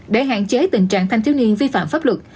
để hạn chế tình trạng thanh thiếu niên vi phạm pháp luật